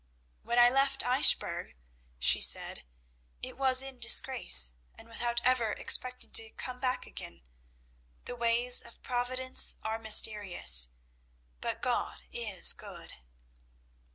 "When I left Eichbourg," she said, "it was in disgrace, and without ever expecting to come back again. The ways of Providence are mysterious, but God is good."